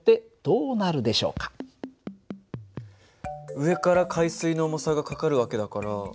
上から海水の重さがかかる訳だから。